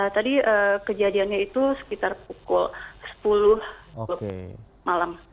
tadi kejadiannya itu sekitar pukul sepuluh malam